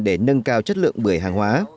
để nâng cao chất lượng bưởi hàng hóa